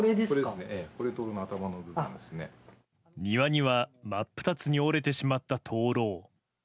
庭には真っ二つに折れてしまった灯籠。